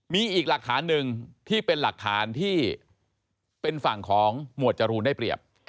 มีอีกหลักฐานหนึ่งที่เป็นหลักฐานที่เป็นฝั่งของหมวดจรูนได้เปรียบ